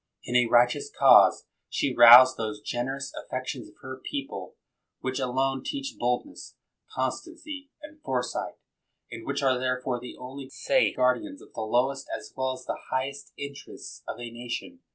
In a righteous cause, she roused those generous affec tions of her people which alone teach boldness, constancy, and foresight, and which are there 100 MACKINTOSH fore the only safe guardians of the lowest as well as the highest interests of a nation.